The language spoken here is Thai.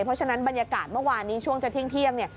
เพราะฉะนั้นบรรยากาศเมื่อวานนี้ช่วงจะเที่ยงเนี่ย